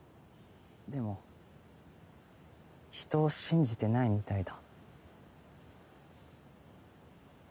でも人を信じてないみたいだ。